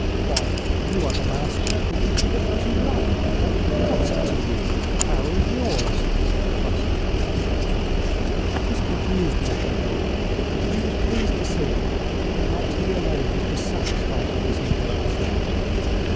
"Why, you are the master, and you give it as you like. What's it to you? The power is yours," said the cross old man. This confused Nekhludoff, but he was pleased to see that not he alone was dissatisfied with this interruption.